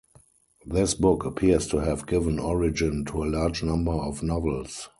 This book appears to have given origin to a large number of novels.